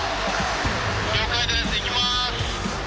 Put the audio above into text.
「了解です。いきます」。